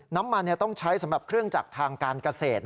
น้ำมันต้องใช้สำหรับเครื่องจักรทางการเกษตร